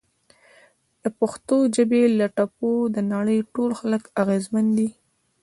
د پښتو ژبې له ټپو د نړۍ ټول خلک اغیزمن دي!